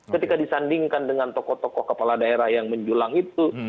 ketika disandingkan dengan tokoh tokoh kepala daerah yang menjulang itu